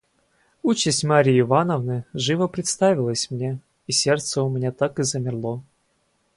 Участь Марьи Ивановны живо представилась мне, и сердце у меня так и замерло.